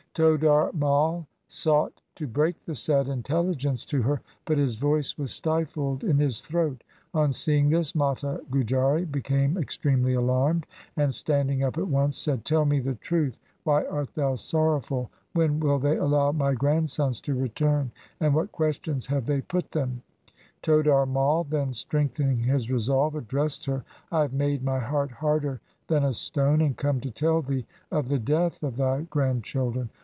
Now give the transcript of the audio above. Todar Mai sought to break the sad intelligence to her, but his voice was stifled in his throat. On seeing this, Mata Gujari became extremely alarmed, and standing up at once said, ' Tell me the truth. Why art thou sorrowful ? When will they allow my grandsons to return, and what questions have they put them ?' Todar Mai then strengthening his resolve, addressed her :' I have made my heart harder than a stone, and come to tell thee of the death of thy grand children.